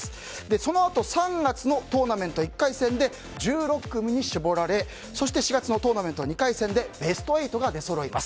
そのあと３月のトーナメント１回戦で１６組に絞られ４月のトーナメント２回戦でベスト８が出そろいます。